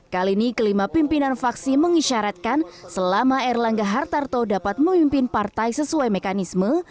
kali ini kelima pimpinan faksi mengisyaratkan selama erlangga hartarto dapat memimpin partai sesuai mekanisme